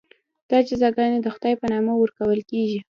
دا جزاګانې د خدای په نامه ورکول کېږي.